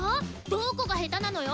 どこが下手なのよ